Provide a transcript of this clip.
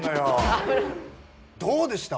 どうでした？